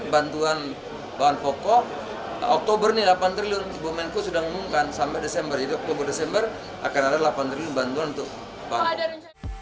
bantuan bahan pokok oktober ini delapan triliun ibu menko sudah mengumumkan sampai desember oktober desember akan ada delapan triliun bantuan untuk bank